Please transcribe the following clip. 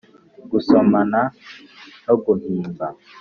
gusomana no guhimba